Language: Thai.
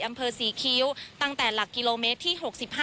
อำเภอศรีคิ้วตั้งแต่หลักกิโลเมตรที่๖๕